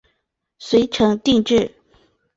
遂成定制。